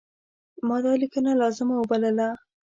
ما دا لیکنه لازمه وبلله.